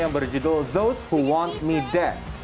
yang berjudul those who want me dead